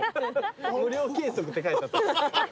無料計測って書いてあったから。